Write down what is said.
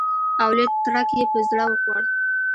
او لوی تړک یې په زړه وخوړ.